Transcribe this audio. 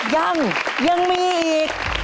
ยังยังมีอีก